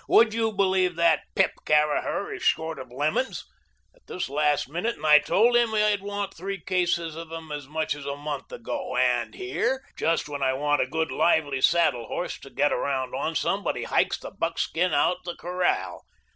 Would you believe that pip Caraher is short of lemons at this last minute and I told him I'd want three cases of 'em as much as a month ago, and here, just when I want a good lively saddle horse to get around on, somebody hikes the buckskin out the corral.